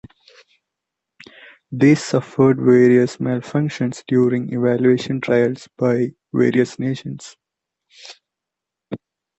These suffered various malfunctions during evaluation trials by various nations.